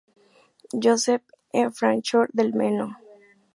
Joseph en Fráncfort del Meno.